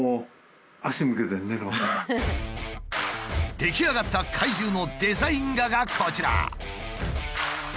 出来上がった怪獣のデザイン画がこちら。